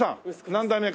何代目か。